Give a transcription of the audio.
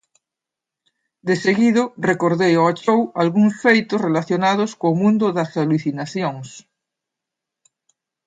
De seguido, recordei ao chou algúns feitos relacionados co mundo das alucinacións.